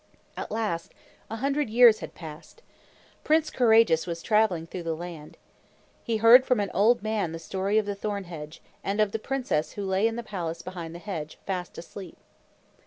At last a hundred years had passed. Prince Courageous was traveling through the land. He heard from an old man the story of the thorn hedge, and of the princess who lay in the palace behind the hedge, fast asleep.